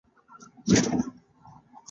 له هغې رويې ډډه وکړي چې د ځان لپاره نه خوښوي.